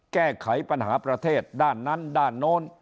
แก้ไขปัญหาประเทศด้านนั้นด้านโน้น